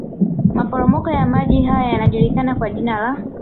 Maporomoko ya maji haya yanajulikana kwa jina la